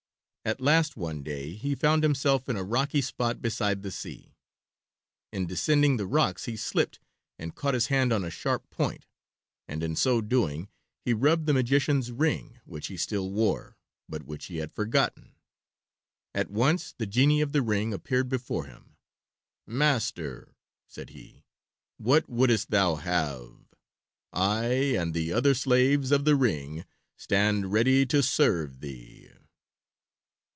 At last one day he found himself in a rocky spot beside the sea. In descending the rocks he slipped and caught his hand on a sharp point, and in so doing he rubbed the magician's ring which he still wore, but which he had forgotten. At once the genie of the ring appeared before him. "Master," said he, "what wouldst thou have? I and the other slaves of the ring stand ready to serve thee."